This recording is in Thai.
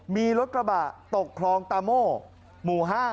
มีรถกระบะตกคลองตาโม่หมู่๕